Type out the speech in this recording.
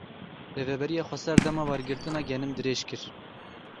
Rêveberiya Xweser dema wergirtina genim dirêj kir.